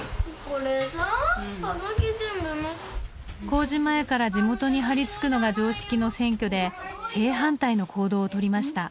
公示前から地元に張りつくのが常識の選挙で正反対の行動をとりました。